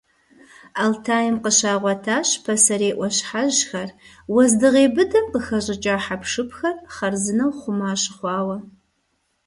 Алтайм къыщагъуэтащ пасэрей Ӏуащхьэжьхэр, уэздыгъей быдэм къыхэщӀыкӀа хьэпшыпхэр хъарзынэу хъума щыхъуауэ.